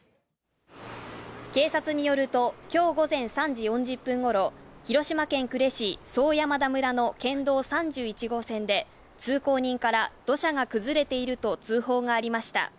警察によると、今日午前３時４０分頃、広島県呉市荘山田村の県道３１号線で通行人から土砂が崩れていると通報がありました。